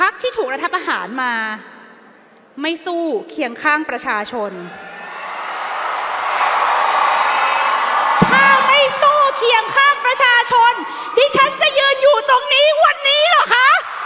เขียงข้างประชาชนที่ฉันจะยืนอยู่ตรงนี้วันนี้เหรอคะ